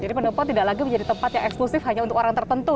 jadi pendopo tidak lagi menjadi tempat yang eksklusif hanya untuk orang tertentu